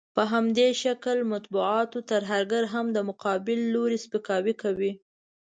په همدې شکل مطبوعاتي ترهګر هم د مقابل لوري سپکاوی کوي.